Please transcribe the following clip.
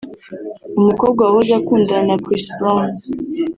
umukobwa wahoze akundana na Chris Brown